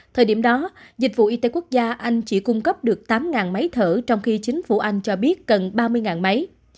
thời điểm đó dịch vụ y tế quốc gia anh chỉ cung cấp được tám máy thở trong khi chính phủ anh cho biết cần ba mươi máy